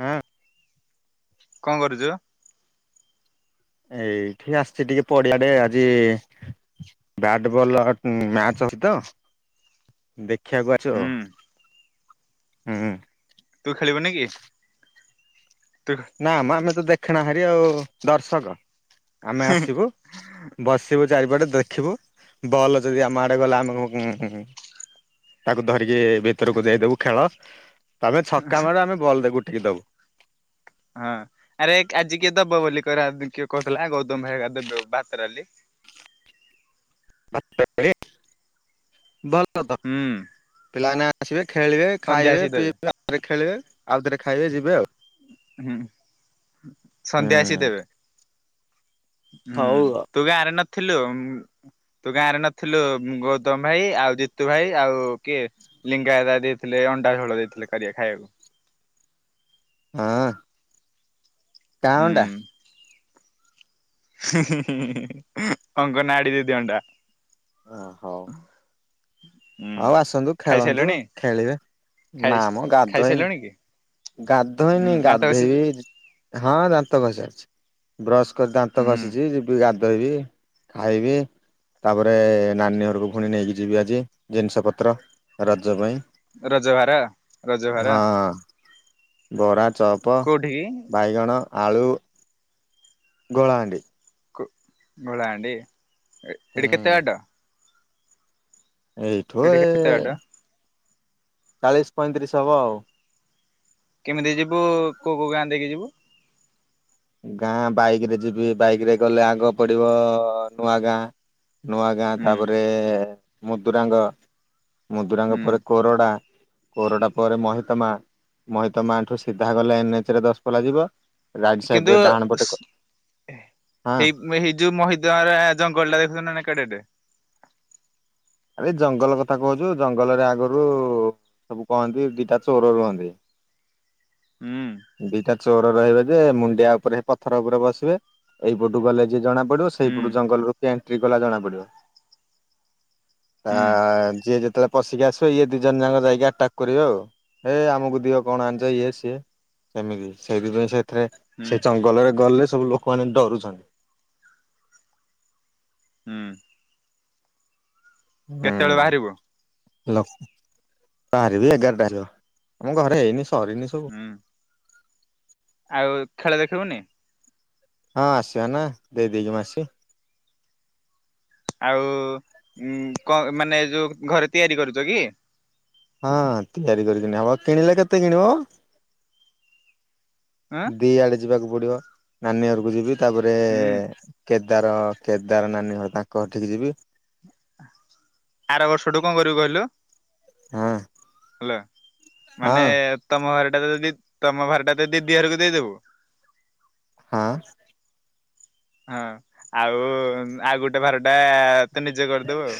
ହଁ। କଁ କରୁଚୁ? ଏଇଠି ଆସିଚି ଟିକେ ପଡିଆଡେ ଆଜି ବ୍ୟାଟବଲ ମ୍ୟାଚ ଅଛି ତ ଦେଖିଆକୁ ଆଇଚୁ ଆଉ ହୁଁ ହୁଁ। ତୁ ଖେଳିବୁନି କି? ତୁ ନା ମ ଆମେ ତ ଦେଖଣାହା ରି ଆଉ ଦର୍ଶକ। ଆମେ ଆସିବୁ ବସିବୁ ଚାରିପଟେ ଦେଖିବୁ ବଲ ଯଦି ଆମ ଆଡେ ଗଲା ଆମେ ଉଁ ଉଁ ତାକୁ ଧରିକି ଭିତୁରୁକୁ ଦେଇଦବୁ ଖେଳ ତମେ ଛକା ମାର ଆମେ ବଲ। [unintelligible] [unintelligible] ଦବୁ। ହଁ ଆରେ ଆଜି କିଏ ଦବ ବୋଲି କଇଲା କିଏ କହୁଥିଲା ଗୌତମ ଭାଇ ଘରିକା ଦେବେ ଭାତ, ଡାଲି [unintelligible] [unintelligible] ହୁଁ ପିଲାମାନେ ଆସିବେ ଖେଳିବେ, ସନ୍ଧ୍ୟା ଖାଇବେ, ଆସିକି ଦେବେ। ପିଇବେ [unintelligible] ଖେଳିବେ ଆଉଥରେ ଖାଇବେ ଯିବେ ଆଉ। ହୁଁ ସନ୍ଧ୍ୟା ଆସି ଦେବେ। ହୁଁ ତୁ ବି ଆରେ ନା ଥିଲୁ ତୁ ଗାଁରେ ନଥିଲୁ ଗୌତମ ଭାଇ ଆଉ ଜିତୁ ଭାଇ ଆଉ କିଏ ଲିଙ୍ଗାଦାଦା ଦେଇଥିଲେ ଅଣ୍ଡା ଝୋଳ ଦେଇଥିଲେ କରିଆ ଖାୟାକୁ। ହଁ। କାଉଣ୍ଟା ହୁଁ। ଅଙ୍ଗନ ଆଡି ଦିଦି ଅଣ୍ଡା। ଓ ହଉ। ହୁଁ ଆଉ ଆସନ୍ତୁ ଖେଳନ୍ତୁ ଖାଇସାରିଲୁଣି? ଖେଳିବେ ଖାଇ ନାମ ଗାଧୋଇନି। ଖାଇସାରିଲୁଣି କି? ହୁଁ ଗାଧୋଇନି ଦାନ୍ତ ଘଷି ଗାଧୋଇବି। ହଁ ଦାନ୍ତ ଘଷି ସାରିଛି। ବ୍ରସ କ ଦାନ୍ତ ହୁଁ ଘସିିଛି ଯିବି ଗ ଦେବି ଖାଇବି, ତାପରେ ନାନୀ ଘରକୁ ପୁଣି ନେଇକି ଯିବି ଆଜି ଜିନିଷ ପତ୍ର ରଜ ପାଇଁ। ରଜଭାର ରଜଭାର? ହଁ ବରା, ଚପ, କୋଉଠିକି? ବାଇଗଣ। ଆଳୁ। ଗୋଳହାଣ୍ଡି। କ ଗଡ଼ ହାଣ୍ଡି? ଏ ଏଠୁ କେତେ ହୁଁ ବାଟ? ଏଇଠୁ ଏଠି ଏ କେତେ ବାଟ? ଚାଳିଶ ପଇଁତିରିଶ ହବ ଆଉ। କେମିତି ଯିବୁ କୋଉ କୋଉ ଗାଁ ଦେଇକି ଯିବୁ? ଗାଁ ବାଇକ ରେ ଯିବି। ବାଇକରେ ଗଲେ ଆଗ ପଡିବ ନୂଆ ଗାଁ। ନୂଆ ଗାଁ ହୁଁ ତାପରେ। ମୁଦୁରାଙ୍ଗ। ମଦୁରାଙ୍ଗ ହୁଁ ପରେ କୋରଡ଼ା। କୋରଡ଼ା ପରେ ମହିତମା। ମହିତମା ଠୁ ସିଧା ଗଲେ ଏନ୍ ଏଚ ରେ ଦଶ ପଲା ଯିବ। ସାଇଡ କିନ୍ତୁ ରେ ଡାହାଣ ପଟେ ହଁ ସେ ଏଇ ଏଇ ଯୋଉ ମହିଦରଗା ଜଙ୍ଗଲ ଟା ଦେଖୁଚନ୍ତି ନା କେଡେଟେ? ଆରେ ଜଙ୍ଗଲ କଥା କହୁଚୁ, ଜଙ୍ଗଲରେ ଆଗରୁ ସବୁ କହନ୍ତି ଦିଟା ଚୋର ରୁହନ୍ତି। ହୁଁ ଦିଟା ଚୋର ରହିବେ ଯେ ମୁଣ୍ଡିଆ ଉପରେ ପଥର ଉପରେ ବସିବେ। ଏଇପଟୁ ଗଲେ ଯି ଜଣା ପଡ଼ିବ ହୁଁ ସେଇପଟୁ ଜଙ୍ଗଲରୁ କେ ଏମଣ୍ଟ୍ରି କଲା ଜଣା ପଡିବ। ତା ହୁଁ ଯିଏ ଯେତେବେଳେ ପଶିକି ଆସିବ ଇଏ ଦି ଜଣ ଯାକ ଯାଇକି ଆଟାକ୍ କରିବେ ଆଉ । ହେ ଆମକୁ ଦିଅ କଣ ଆଣିଚ ଇଏ ସିଏ। ସେମିତି ସେଇଥି ପାଇଁ ସେ ଥୀରେ ହୁଁ ସେ ଜଙ୍ଗଲରେ ଗଲେ ସବୁ ଲୋକମାନେ ଡରୁଚନ୍ତି। ହୁଁ। କେତେବେଳେ ବାହାରିବ? ହେଲୋ ବାହାରିବି ଏଗାରଟା ର ମୁଁ ଘରେ ଏଇନୁ ଶୋ ସରିନି ସବୁ? ହୁଁ ଆଉ ଖେଳ ଦେଖିବୁନି? ହଁ ଆସିବା ନା ଦେଇ ଦେଇକି ମୁଁ ଆସେ । ଆଉ ଉଁ କଣ? ମାନେ ଏ ଯୋଉ ଘରେ ତିଆରି କରୁଚ କି? ହଁ ତିଆରି କରିବିନି ହବ। କିଣିଲେ କେତେ କିଣିବ? ହଁ ଦିଆଡେ ଯିବାକୁ ପଡିବ। ନାନୀ ଘରୁକୁ ଯିବି। ତାପରେ ହୁଁ କେବ୍ ତାର କେଦାର ନାନୀ ହ ତାଙ୍କ ଘରଠିକି ଯିବି। ଆର ବର୍ଷଠୁ କଣ କରିବୁ କହିଲୁ? ହୁଁ। ହେଲା। ମାନେ ତମ ଘରେ? ତାଲେ ଯଦି ତମ ଭାର ଟା ତ ଦିଦି ଘରକୁ ଦେଇଦବୁ? ହଁ। ହଁ ଆଉ ଆଉ ଗୋଟେ ଭାରଟା ତୁ ନିଜେ କରିଦବୁ ଆଉ।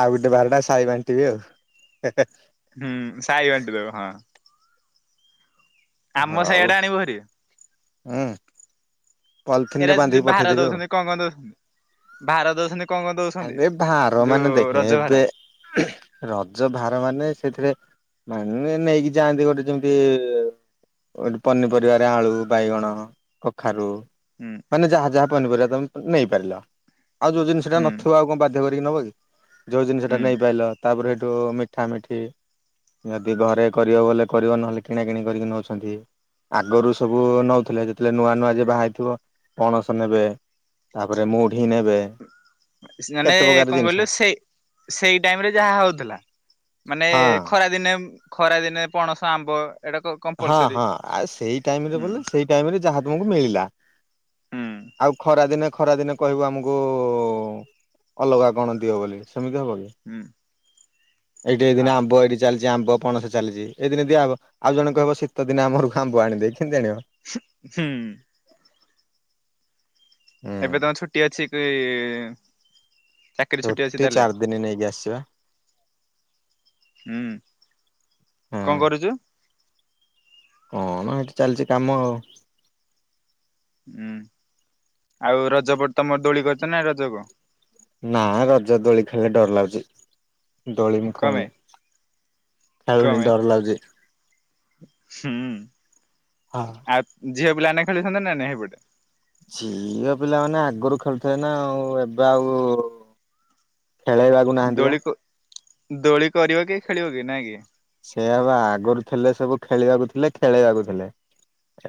ଆଉ ଗୋଟେ ଭାରଟା ସାହି ବାଣ୍ଟିବେ ଆଉ। ହୁଁ ସାଇ ବାଣ୍ଟି ଦେବେ ହଁ। ଆମ ହଉ ସାଇଆଡ଼େ ଆଣିବୁ ଭାରି। ପଲଥିନ୍ ଏରା ରେ ଯୋଉ ବାନ୍ଧିକି ଭାର ପଠେଇଦେବି ଆଉ। ଦଉଛନ୍ତି କଣ କଣ ଦଉଛନ୍ତି ଭାର ଦଉଛନ୍ତି କଣ କଣ ଦଉଛନ୍ତି ଆବେ ଭାର ଯୋଉ ମାନେ ଦେଖେ ରଜ ଭାର। ଏବେ ରଜ ଭାର ମାନେ ସେଥିରେ ମାନେ ନେଇକି ଯାଆନ୍ତି ଗୋଟେ ଯେମିତି ଗୋଟେ ପନିପରିବାରେ ଆଳୁ ବାଇଗଣ କଖାରୁ ହୁଁ ମାନେ ଯାହା ଯାହା ପନିପରିବା ତମେ ନେଇପାରିଲ। ଆଉ ଯୋ ଜିନିଷଟା ହୁଁ ନଥିବ ଆଉ କଣ ବାଧ୍ୟ କରି କି ନବ କି? ଯୋଉ ଜିନିଷଟା ହୁଁ ନେଇ ପାଇଲ। ତାପରେ ତୋ ମିଠା ମିଠି ଯଦି ଘରେ କରିବ ବଲେ କରିବ ନହେଲେ କିଣା କିିଣି କରିକି ନଉଛନ୍ତି। ଆଗରୁ ସବୁ ନଉଥିଲେ ଯେତେବେଳେ ନୂଆ ନୂଆ ଯେ ବାହା ହେଇ ଥିବ। ପଣସ ନେବେ ତାପରେ ମୁଢ୍ ମାନେ ପ୍ରକାର କଣ ଜିନିଷ କହିଲୁ ସେଇ ସେଇ ଟାଇମରେ ଯାହା ହଉଥିଲା। ମାନେ ହଁ ଖରାଦିନେମ୍ ଖରାଦିନେ ପଣସ ଆମ୍ବ। ଏଇଟା ହଁ କମ୍ପଲସରୀ। ହଁ ଆଉ ସେଇ ଟାଇମରେ ହୁଁ ବୋଲେ ସେଇ ଟାଇମରେ ଯାହା ତମକୁ ମିଳିଲା ହୁଁ ଆଉ ଖରାଦିନେ ଖରାଦିନେ କହିବୁ ଆମକୁ ଅଲଗା କଣ ଦିଅ ବୋଲି ସେମିତି ହବ କି? ହୁଁ ଏଇଠି ଏ ଆ ଦିନେ ଆମ୍ବ ।ଏଇଠି ଚାଲିଛି ଆମ୍ବ ପଣସ ଚାଲିଛି ଏଇ ଦିନେ ଦିଆହବ। ଆଉ ଜଣକହିବ ଶୀତଦିନେ ଆମଘରକୁ ଆମ୍ବ ଆଣି ଦେ। ହୁଁ। ଏବେ ତମର ହୁଁ। ଛୁଟି ଅଛି। ସେ ଚାକିରିୀ ଛୁଟି ଅଛି ତାହେଲେ? ଚାରି ଦିନ ନେଇକି ଆସିବା କଣ ଏଇଠି ଚାଲିଛି କାମ ଆଉ? ହୁଁ ଆଉ ରଜ ପ ନା ରଜ ଦୋଳି ଖେଳିଲେ ଡର ଲାଗୁଛି। ଦୋଳି ମୁ କମେ ଖେଳୁନି ଖେଳୁନି କମେ ଡର ଲାଗୁଛି। ହୁଁ। ହଁ ଆ ଝି ଝିଅ ପିଲାମାନେ ଆଗରୁ ଖେଳୁଥିଲେ ନା ଆଉ ଏବେ ଆଉ ଖେଳେଇବାକୁ ନାହାଁନ୍ତି ବା। ଦୋଳି କ ଦୋଳି କରିବ କି ଖେଳିବ କି ନାଇଁ କି। ସେୟା ବା ଆଗରୁ ଥିଲେ ସବୁ ଖେଳିବାକୁ ଥିଲେ ଖେଳେଇବାକୁ ଥିଲେ।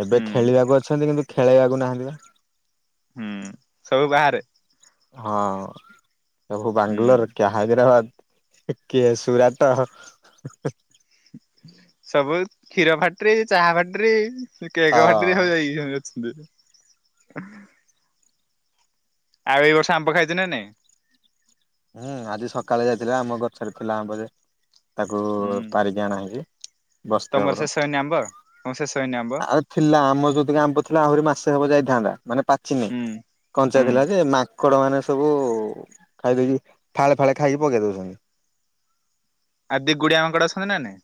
ଏବେ ହୁଁ ଖେଳିବାକୁ ଅଛନ୍ତି କିନ୍ତୁ। ଖେଳେଇବାକୁ ନାହାଁନ୍ତି ବା। ହୁଁ ସବୁ ବାହାରେ। ହଁ। ସବୁ ହୁଁ ବାଙ୍ଗାଲୋର କିଏ ହାଇଦ୍ରାବାଦ। କିଏ ସୁୁରାଟ। ସବୁ କ୍ଷୀର ଫ୍ୟାକ୍ଟରୀ ଚାହା ଫ୍ୟାକ୍ଟରୀ। ସେ ଅ କେକ ଫ୍ୟାକ୍ଟରୀ ସବୁ ଯାଇଛନ୍ତି। [unintelligible] ଦେ। ଆଉ ଏଇ ବର୍ଷ ଆମ୍ବ ଖାଇଚ ନା ନାଇ। ହୁଁ ଆଜି ସକାଳେ ଯାଇଥିଲା ଆମ ଗଛରେ ଥିଲା ଆମ୍ୱ ଯେ। ତାକୁ ହୁଁ ପାରିକି ଆଣା ହୁଏ ତମର ବସ୍ତେଭର ଶେଷ ହେଇନି ଆମ୍ବ ତମ ଶେଷ ହେଇନି ଆମ୍ବ ଆଉ ଥିଲା ଆମର ଯେତିକି ଆମ୍ୱ ଥିଲା ଆହୁରି ମା ମାସେ ହବ ଯାଇଥାନ୍ତା। ମାନେ ପାଚିନି ହୁଁ କଞ୍ଚା ହୁଁ ଥିଲା ଯେ ମା। ମାଙ୍କଡ଼ ମାନେ ସବୁ ଖାଇଦେଇକି। ଫାଳେ ଫାଳେ ଖାଇକି ପକେଇ ଦଉଛନ୍ତି। ଆର୍ ଦି ଗୁଡିଆ ମାଙ୍କଡ଼ ଅଛନ୍ତି ନା ନାଇଁ।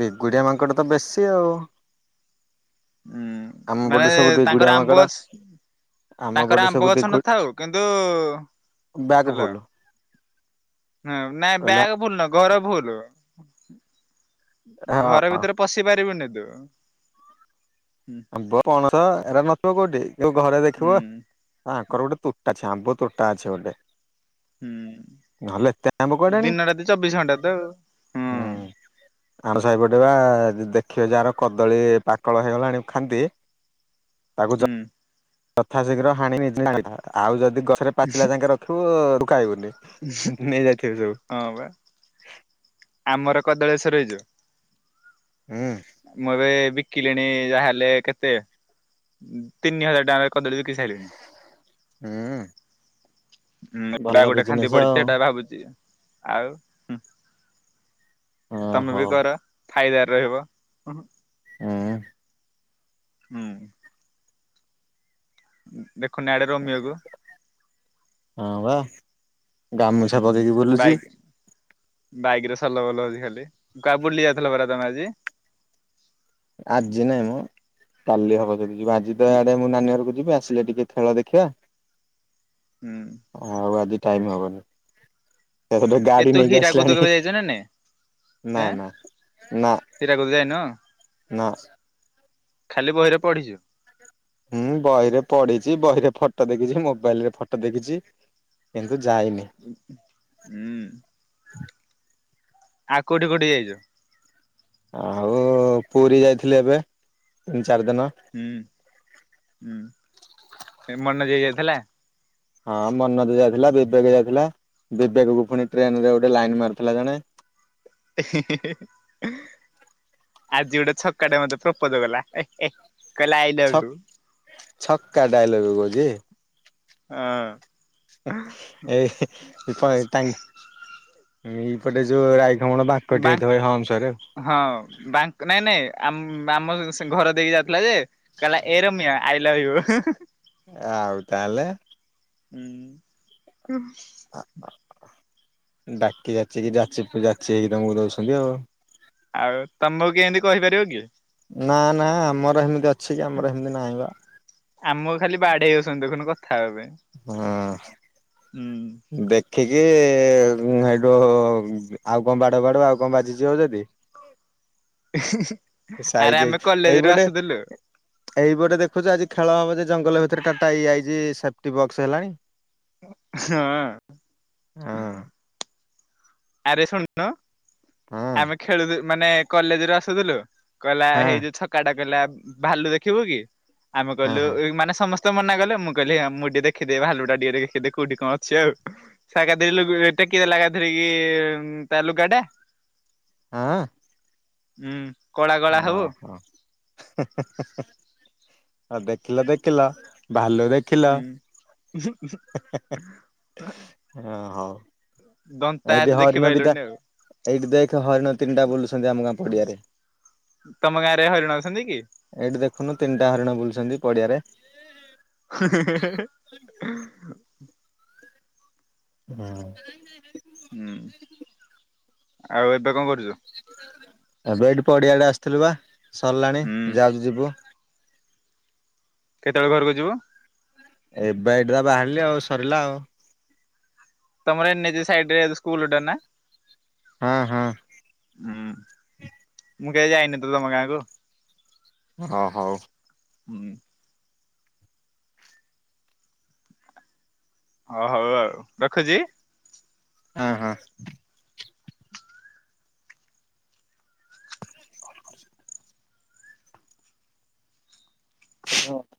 ଦି ଗୁଡିଆ ମାଙ୍କଡ ତ ବେଶୀ ଆଉ। ଉୁଁ ଆମ ମାନେ ପଟେ ସବୁ ଦିଗୁଡିଆ ତାଙ୍କର ଆମ୍ବ ମାଙ୍କଡ। ଗ ଆମ ପଟେ ତାଙ୍କର ସବୁ ଆମ୍ବ ଗଛ ଦିଗୁ ନଥାଉ କିନ୍ତୁ ବ୍ୟାଗ ହାଲୋ। ଫୁଲ। ହଁ ନାଇଁ କହିଲେ ବ୍ୟାଗ ଫୁଲ ନୁହ ଘର ଫୁଲୁ। [inaudible] ଘର ଭିତରେ ପଶି ପାରିବୁନି। ଦେ। ଆମ୍ୱ, ପଣସ ଏରା ନଥିବ କୋଉଠି ଯୋଉ ଘରେ ହୁଁ ଦେଖିବ ଆଙ୍କର ଗୋଟେ ତୁଟା। ଛା ଆମ୍ବ ତୋଟା ଅଛି ଗୋଟେ। ହୁଁ ନହେଲେ ଏତେ କୁଆଡେ ଆଣିବେ? ଦିନ ରାତି ଚବିଶ ଘଣ୍ଟା ତ ଆଉ। ହୁଁ ଆମ ସାହିପ ବା ଦେଖିବ ଯାହାର କଦଳୀ ପାକଳ ହେଇଗଲାଣି। ଖାନ୍ଦେ। ହୁଁ। ତଥାଶୀଘ୍ର ହାଣି ନେ [inaudible] ଆଉ ଯଦି ଗଛରେ ପାଚିଲା ଜାଙ୍କେ ରଖିବୁ ପାଇବୁନି ନେ-ନେଇ ଯାଇଥିବେ ସବୁ। ହଁ ବା ଆମର କଦଳେଶ୍ଵର ହେଇଯ ହୁଁ ମୁଁ ଏବେ। କିଲିଣି ଯାହାହେଲେ ବି କେତେ ତିନି ହଜାର ଟଙ୍କାର କଦଳୀ ବିକି ସାଇଲିଣିି। ହୁଁ ହଁ ଏଟା ଭଲ ଗୋଟେ ଖାନ୍ଦି ବିଜନେସ ଆଉ ପଡିଚି, ଏଇଟା ଭାବୁଚି। ଆଉ? ହୁଁ। ତମେ ଓହୋ ବି କର। ଫାଇଦାର ରହିବ। ହଁ। ହୁଁ। [inaudible] ଦେଖୁନ ଆଡେ ରୋମିଅକୁ ହଁ ବା ଗାମୁଛା ପକେଇକି ବୁଲୁଚି। ଭଲ ଭଲ ଆଜି ଖାଲି କା ବୁଲି ଯାଉଥିଲ ପରା ତମେ ଆଜି? ଆଜି ନାଇଁ ମ କାଲି ହବ ଯଦି। ଯ ଆଜି ତ ଆଡେ ମୁଁ ନାନୀ ଘରକୁ ଯିବି ଆସିଲେ ଟିକେ ଖେଳ ଦେଖିବା। ହୁଁ। ଟାଇମ୍ ହେବ ନି। ସେତବେ ଏ ଗାଡି ତୁ ନେଇକି ହୀରାକୁଦ କେବେ ଆସିଲାଣି ଯାଇଛୁ ନା ନାଇଁ? ନା ଏଁ ନା ନା ହୀରାକୁଦ ଯାଇନୁ ନା। ଖାଲି ବହିରେ ପଢିଛୁ। ହୁଁ ବହିରେ ପଡିିଚି ବହିରେ ଫ ଫଟୋ ଦେଖିଛି ମୋବାଇଲ ରେ ଫଟୋ ଦେଖିଛି। ନ୍ତୁ ଯାଇନି ହୁଁ। ଆଉ କୋଉଠି କୋଉଠି ଯାଇଛୁ? ଆଉ ପୁରୀ ଯାଇଥିଲି ଏବେ ଚାରି ଦିନ ହୁଁ ହୁଁ ଏ ମର ନା ଜାଇ ଲେ ହଁ ମନୋଜ ଯାଇଥିଲା ବିବେକ ଯାଇଥିଲା ବିବେକକୁ ପୁଣି ଟ୍ରେନ ରେ ଗୋଟେ ଲାଇନ ମାରିଥିଲା ଜଣେ। ଆଜି ଗୋଟେ ଛକାଟେ ମତେ ପ୍ରପୋଜ କଲା। କହିଲା ଆଇ ଲଭ୍ ୟୁ ଛକ୍ ଛକ୍କା ଟା ଆଇ ଲଭ ୟୁ କହୁଚି। ହଁ। ଏଇ ମୁ [unintelligible] ଏଇ ପଟେ ଯୋଉ ରାଇଖମଣ ବାଙ୍କଟି ବ ହେଇଥିବ ଏଇ ହମ୍ପସରେ ହଁ ବ୍ୟାଙ୍କ ନାଇଁ ନାଇଁ ଆ ଆମ ଘର ଦେଇକି ଯାଉଥିଲା ଯେ କଲା ଏ ରମ୍ୟ ଆଇ ଲଭ ୟୁ ଆଉ ତାହେଲେ ହୁଁ। ଡାକି ଯାଛି କି ଯାଚି ଯାଚି ହେଇକି ତମକୁ ଦଉଛନ୍ତି ଆଉ। ଆଉ ତମକୁ କିଏ ଏମିତି କହିପାରିବ କି? ନା ନା ଆମର ଏମିତି ଅଛି କି ଆମର ଏମିତି ନାହିଁ ବା। ଆମକୁ ଖାଲି ବାଡେଇ ହଉଛନ୍ତି ଦେଖୁନୁ କଥା ହେବା ପାଇଁ। ହୁଁ ହଁ ଦେଖିକି ସେ ସେଠୁ ଆଉ କଣ ବାଡ଼ଉ ବାଡ଼ଉ ଆଉ କଣ ବାଜି ଜିବ ଯଦି [inaudible] ଆରେ ସାଇଜ ଆମେ କଲେଜରୁ ଏଇପଟେ ଆସୁଥିଲୁ ଏଇପଟେ ଦେଖୁଛୁ ଆଜି ଖେଳ ହବ ଯେ ଜଙ୍ଗ ଭିତରେ କାଟା ହେଇଯାଇଛି। ଟିବକ୍ସ ହେଲାଣି। ହଁ। ହଁ ଆରେ ଶୁଣୁନୁ ହଁ ଆମେ ଖେଳୁ ମାନେ କଲେଜ ରୁ ଆସୁଥିଲୁ କହିଲା ହଁ ହେଇଯୋଉ ଛକାଟା କହିଲା ଭାଲୁ ଦେଖିବୁ କି? ଆମେ ହଁ କହିଲୁ ହଁ ମାନେ ସମ ମନା କଲେ ମୁଁ କହିଲି ମୁଁ ଟିକେ ଦେଖିଦିଏ ଭାଲୁ ଟା ଟିକେ ଦେଖିଦିଏ କୋଉଠି କଣ ଅଛି ଆଉ ସା ଏକାଥରେ ଟେକି ଦେଲା ଏକାଥରେକେ। ଇଏ ତା ଲୁଗାଟା। ଆଁ ଉଁ ଓ ହୋ। ହେ-ହେ-ହେ ହ ଦେଖିଲ ଦେଖିଲ ଭାଲୁ ଦେଖିଲ ହୁଁ ହେ-ହେ-ହେ ହଁ ହଁ ଦନ୍ତା ଏଇଠି ଆଦି ଦେଖି ହରିଣ ଦିଟା ପାଇଲୁନି ଆଉ। ଏଇଠି ଦେଖେ ହରିଣ ତିନିଟା ବୁଲୁଛନ୍ତି ଆମ ଗାଁ ପଡିଆରେ ତମ ଗାଁରେ ହରିଣ ଅଛନ୍ତି କି? ଏଇଠି ଦେଖୁନୁ ତିନିଟା ହରିଣ ବୁଲୁଛନ୍ତି ପଡିଆରେ। [inaudible] ହଁ ହୁଁ ଆଉ ଏବେ କଣ [unintelligible] ଏବେ ଏଠି ପଡିଆଡେ ଆସିଥିଲୁ ବା ସରିଲାଣି ହୁଁ ଯାଉଛୁ ଯିବୁ। କେତେବେଳେ ଘରକୁ ଯିବୁ? ଏବେ ଏଠି ବା ବାହାରିଲି ଆଉ ସରିଲା ଆଉ ତମର ଏନ୍ ଏଚ୍ ସାଇଡ ରେ ସ୍କୁଲଟା ନା? ହଁ ହଁ ହୁଁ ମୁଁ କେବେ ଯାଇନି ତୁ ତମ ଗାଁକୁ। ହ ହଉ। ହୁଁ ଓ ହଉ ଆଉ ରଖୁଛି। ହଁ ହଁ [inaudible]